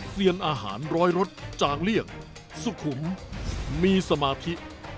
เซียนอาหารร้อยรสจากเรียกสุขุมมีสมาธิ